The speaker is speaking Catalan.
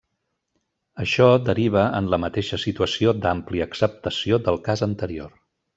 Això deriva en la mateixa situació d'àmplia acceptació del cas anterior.